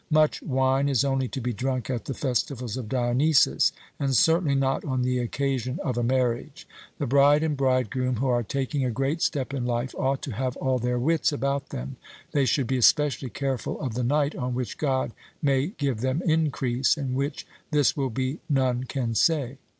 Much wine is only to be drunk at the festivals of Dionysus, and certainly not on the occasion of a marriage. The bride and bridegroom, who are taking a great step in life, ought to have all their wits about them; they should be especially careful of the night on which God may give them increase, and which this will be none can say.